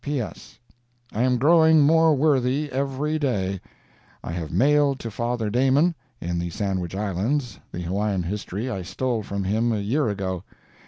P.S.—I am growing more worthy every day. I have mailed to Father Damon, in the Sandwich Islands, the Hawaiian History I stole from him a year ago.